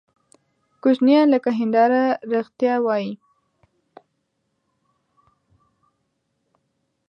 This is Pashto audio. کوچنیان لکه هنداره رښتیا وایي.